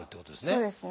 そうですね。